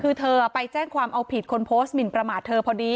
คือเธอไปแจ้งความเอาผิดคนโพสต์หมินประมาทเธอพอดี